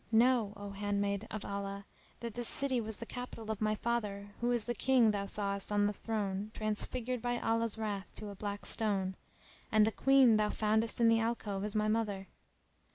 Know O handmaid of Allah, that this city was the capital of my father who is the King thou sawest on the throne transfigured by Allah's wrath to a black stone, and the Queen thou foundest in the alcove is my mother.